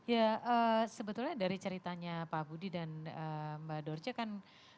ya sebetulnya dari ceritanya pak budi dan mbak dorce kan